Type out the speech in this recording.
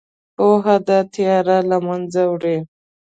پوهه دا تیاره له منځه وړي.